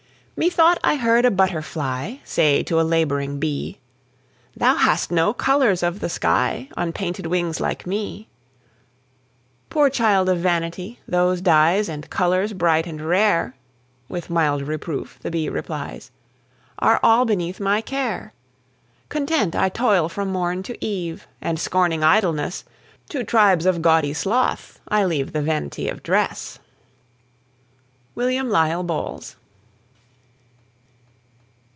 Methought I heard a butterfly Say to a labouring bee: "Thou hast no colours of the sky On painted wings like me." "Poor child of vanity! those dyes, And colours bright and rare," With mild reproof, the bee replies, "Are all beneath my care. "Content I toil from morn to eve, And scorning idleness, To tribes of gaudy sloth I leave The vanity of dress." WILLIAM LISLE BOWLES.